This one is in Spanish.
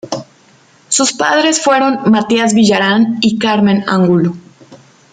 Sus padres fueron Matías Villarán y Carmen Angulo.